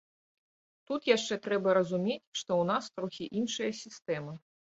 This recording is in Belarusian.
Тут яшчэ трэба разумець, што ў нас трохі іншая сістэма.